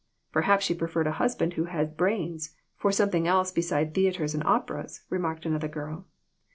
" Perhaps she preferred i husband who had brains for some thing else beside theatres and operas," remarked another girl.